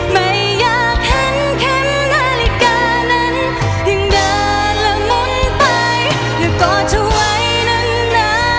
ไม่อยากเห็นเข้มนาฬิกานั้นยังเดินและหมุนไปและกอดเธอไว้นาน